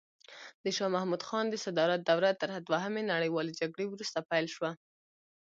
د شاه محمود خان د صدارت دوره تر دوهمې نړیوالې جګړې وروسته پیل شوه.